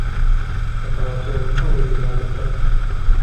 دفع توم ماري من على الدرج.